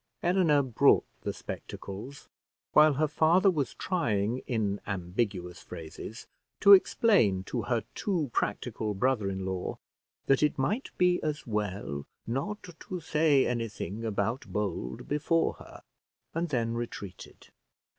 Eleanor brought the spectacles, while her father was trying, in ambiguous phrases, to explain to her too practical brother in law that it might be as well not to say anything about Bold before her, and then retreated.